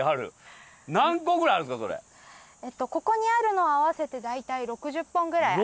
ここにあるのは合わせて大体６０本ぐらいあります。